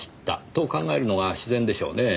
と考えるのが自然でしょうねぇ。